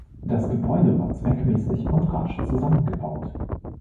Die Gebäude waren zweckmäßig und rasch zusammengebaut.